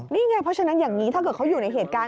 นี่ไงเพราะฉะนั้นอย่างนี้ถ้าเกิดเขาอยู่ในเหตุการณ์